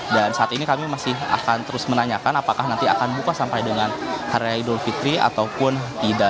dan saat ini kami masih akan terus menanyakan apakah nanti akan buka sampai dengan hari idul fitri ataupun tidak